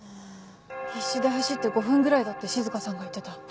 必死で走って５分ぐらいだって静歌さんが言ってた。